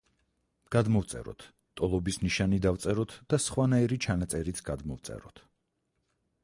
გადმოვწეროთ, ტოლობის ნიშანი დავწეროთ და სხვანაირი ჩანაწერიც გადმოვწეროთ.